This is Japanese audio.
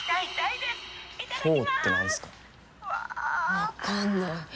分かんない。